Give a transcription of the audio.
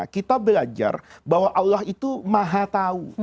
kita belajar bahwa allah itu maha tahu